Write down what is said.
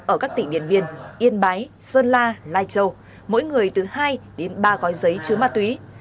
ở các tỉnh điện biên yên bái sơn la lai châu mỗi người từ hai đến ba gói giấy chứa ma túy